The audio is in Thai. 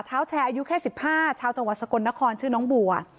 แชร์อายุแค่๑๕ชาวจังหวัดสกลนครชื่อน้องบัว